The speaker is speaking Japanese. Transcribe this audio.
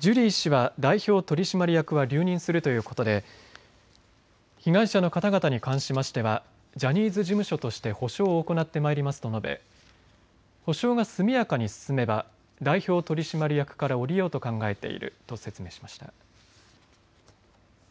ジュリー氏は代表取締役は留任するということで被害者の方々に関しましてはジャニーズ事務所として補償を行ってまいりますと述べ補償が速やかに進めば代表取締役から降りようと考えていると説明しました。